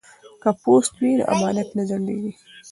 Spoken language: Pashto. که پوست وي نو امانت نه ځنډیږي.